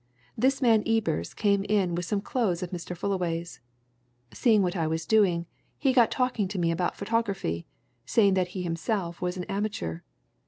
This man Ebers came in with some clothes of Mr. Fullaway's. Seeing what I was doing, he got talking to me about photography, saying that he himself was an amateur.